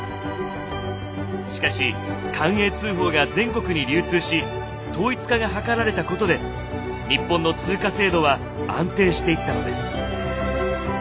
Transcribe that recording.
しかし寛永通宝が全国に流通し統一化が図られたことで日本の通貨制度は安定していったのです。